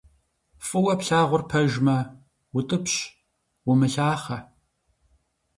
Фӏыуэ плъагъур пэжымэ - утӏыпщ, умылъахъэ.